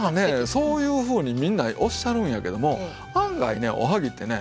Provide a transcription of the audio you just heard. そういうふうにみんなおっしゃるんやけども案外ねおはぎってね